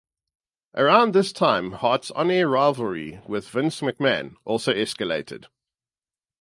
Around this time, Hart's on-air rivalry with Vince McMahon also escalated.